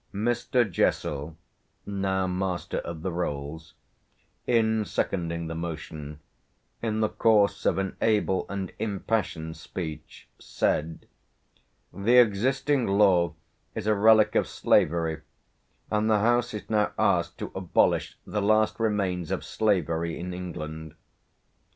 Mr. Jessel (now Master of the Rolls) in seconding the motion, in the course of an able and impassioned speech, said: "The existing law is a relic of slavery, and the House is now asked to abolish the last remains of slavery in England.